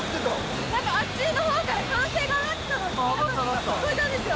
なんかあっちのほうから歓声が上がってたの、聞こえたんですよ。